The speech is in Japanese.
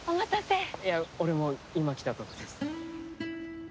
いや俺も今来たとこです。